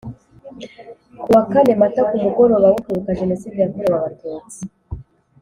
Kuwa kane Mata ku mugoroba wo Kwibuka Jenoside yakorewe Abatutsi